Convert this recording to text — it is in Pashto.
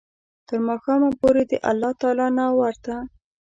تر ماښامه پوري د الله تعالی نه ورته